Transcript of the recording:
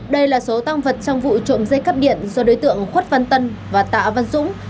đây là số tăng vật trong vụ trộm dây cắp điện do đối tượng khuất văn tân và tạ văn dũng